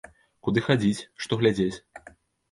Куды хадзіць, што глядзець?